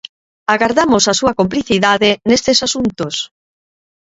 Agardamos a súa complicidade nestes asuntos.